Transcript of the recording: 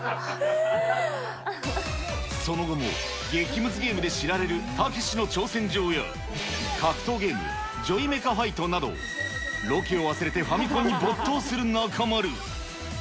その後も激ムズゲームで知られるたけしの挑戦状や、格闘ゲーム、ジョイメカファイトなど、ロケを忘れてファミコンに没頭する中丸。